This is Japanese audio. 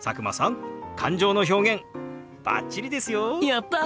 やった！